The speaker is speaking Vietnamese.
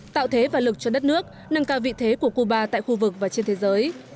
tạo thế và lực cho đất nước nâng cao vị thế của cuba tại khu vực và trên thế giới